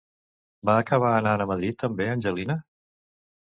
Va acabar anant a Madrid, també, Angelina?